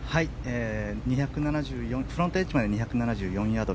フロントエッジまで２７４ヤード。